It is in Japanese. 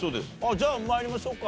じゃあ参りましょうか。